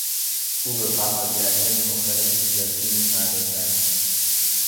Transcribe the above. او به فعالیت های مختلف سیاسی می پردازد.